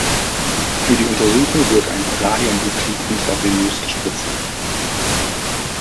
Für die Untersuchung wird ein Radionuklid intravenös gespritzt.